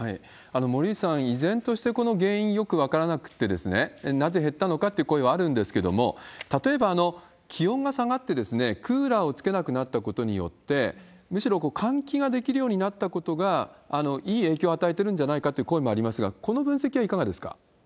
森内さん、依然としてこの原因、よく分からなくって、なぜ減ったのかっていう声はあるんですけれども、例えば気温が下がってクーラーをつけなくなったことによって、むしろ換気ができるようになったことが、いい影響を与えてるんじゃないかという声もありますが、この分析はいかがですか？